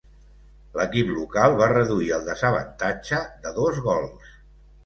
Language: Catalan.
L'equip local va reduir el desavantatge de dos gols.